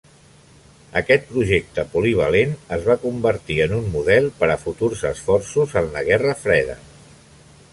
Aquest projecte polivalent es va convertir en un model per a futurs esforços en la guerra freda.